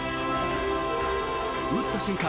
打った瞬間